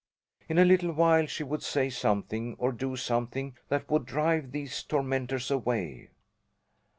In a little while she would say something or do something that would drive these tormentors away.